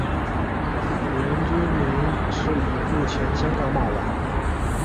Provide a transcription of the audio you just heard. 原居民是已故前香港马王。